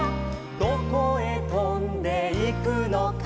「どこへとんでいくのか」